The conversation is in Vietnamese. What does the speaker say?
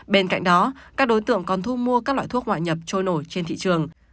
bên cạnh đó các đối tượng còn thu mua các loại thuốc hỏa nhập trôi nổi trên thị trường